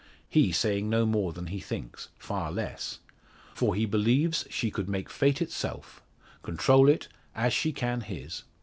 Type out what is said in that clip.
He saying no more than he thinks; far less. For he believes she could make fate itself control it, as she can his.